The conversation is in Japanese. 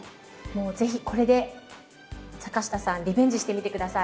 もう是非これで坂下さんリベンジしてみて下さい。